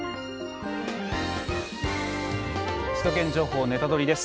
「首都圏情報ネタドリ！」です。